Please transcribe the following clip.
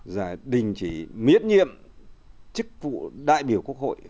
rồi đình chỉ miễn nhiệm chức vụ đại biểu quốc hội